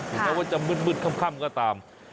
แม้ว่าจะมืดค่ำก็ตาม